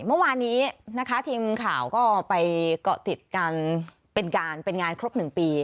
เมื่อวานนี้ทีมข่าวก็ไปเกาะติดการเป็นงานครบหนึ่งปี